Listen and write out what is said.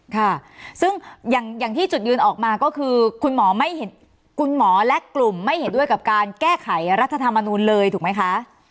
ค่ะซึ่งอย่างที่จุดยืนออกมาก็คือคุณหมอไม่เห็นคุณหมอและกลุ่มไม่เห็นด้วยกับการแก้ไขรัฐธรรมนูลเลยถูกไหมคะ